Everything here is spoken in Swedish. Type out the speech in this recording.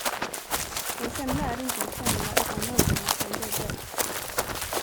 En semla är inte en semla utan mandelmassa och grädde.